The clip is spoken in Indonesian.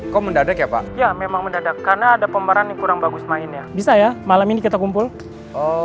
kau mendadak ya pak ya memang mendadak karena ada pemeran yang kurang bagus mainnya bisa ya malam ini kita kumpul oh oke saya coba tanya sinta dulu ya